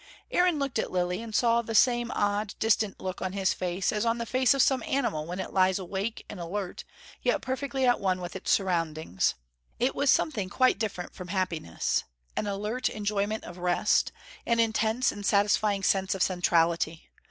Aaron looked at Lilly, and saw the same odd, distant look on his face as on the face of some animal when it lies awake and alert, yet perfectly at one with its surroundings. It was something quite different from happiness: an alert enjoyment of rest, an intense and satisfying sense of centrality.